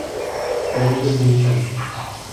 Craig je zničený.